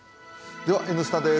では、「Ｎスタ」です。